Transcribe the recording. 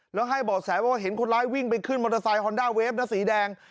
แล้วให้เบาะแสว่าเห็นคนร้ายวิ่งไปขึ้นมอเตอร์ไซคอนด้าเวฟนะสีแดง